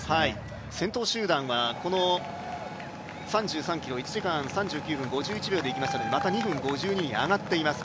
先頭集団はこの３３ｋｍ１時間３９分５１秒でいきましたのでまた２分５２に上がっています